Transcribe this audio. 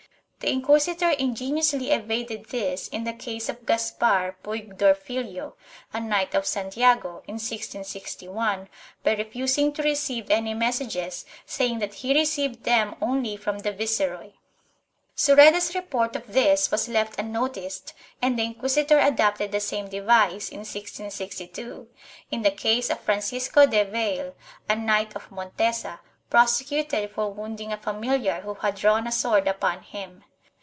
The inquisitor ingeniously evaded this in the case of Gaspar Puygdorfilio, a Knight of Santiago, in 1661, by refusing to receive any messages, saying that he received them only from the viceroy. Sureda's report of this was left unnoticed and the inquisitor adopted the same device, in 1662, in the case of Francisco de Veri, a Knight of Montesa, prosecuted for wound ing a familiar who had drawn a sword upon him.